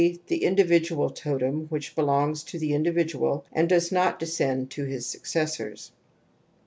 The i ndividual totem^ hich belonffs to the mdividual and does not descend to his successors.